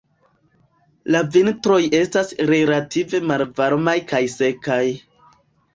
La vintroj estas relative malvarmaj kaj sekaj.